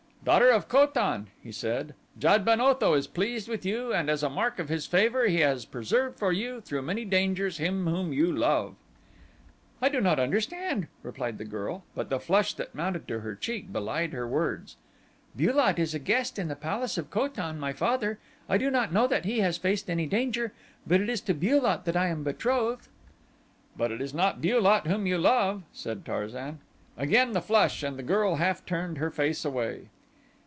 "Daughter of Ko tan," he said, "Jad ben Otho is pleased with you and as a mark of his favor he has preserved for you through many dangers him whom you love." "I do not understand," replied the girl but the flush that mounted to her cheek belied her words. "Bu lat is a guest in the palace of Ko tan, my father. I do not know that he has faced any danger. It is to Bu lat that I am betrothed." "But it is not Bu lat whom you love," said Tarzan. Again the flush and the girl half turned her face away.